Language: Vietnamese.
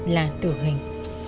là tử hình